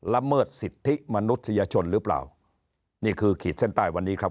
ละเมิดสิทธิมนุษยชนหรือเปล่านี่คือขีดเส้นใต้วันนี้ครับ